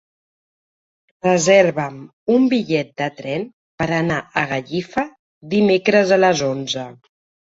Reserva'm un bitllet de tren per anar a Gallifa dimecres a les onze.